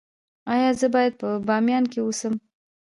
ایا زه باید په بامیان کې اوسم؟